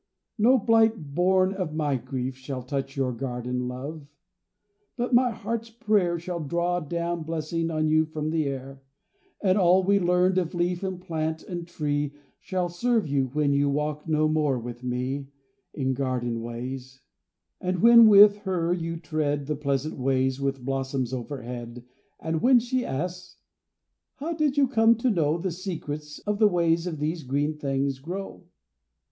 No blight born of my grief Shall touch your garden, love; but my heart's prayer Shall draw down blessings on you from the air, And all we learned of leaf and plant and tree Shall serve you when you walk no more with me In garden ways; and when with her you tread The pleasant ways with blossoms overhead And when she asks, "How did you come to know The secrets of the ways these green things grow?"